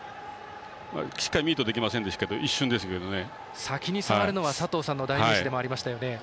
しっかりミュートできませんでしたけど先に触るのは佐藤さんの代名詞でもありました。